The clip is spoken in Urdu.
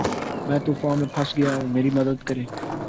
میں طوفان میں پھنس گیا ہوں میری مدد کریں